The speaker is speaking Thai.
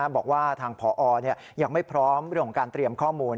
บอกว่าทางผอยังไม่พร้อมเรื่องของการเตรียมข้อมูล